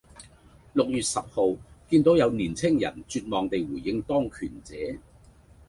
六月十號見到有年青人絕望地回應當權者